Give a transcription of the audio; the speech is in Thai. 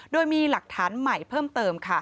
โดยมีหลักฐานใหม่เพิ่มเติมค่ะ